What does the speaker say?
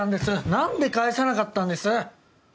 何で返さなかったんです？